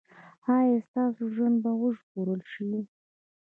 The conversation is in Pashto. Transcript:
ایا ستاسو ژوند به وژغورل شي؟